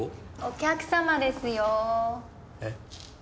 お客様ですよえっ？